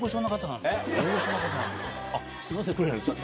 すいません黒柳さん。